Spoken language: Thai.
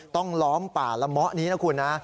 ล้อมป่าละเมาะนี้นะคุณนะ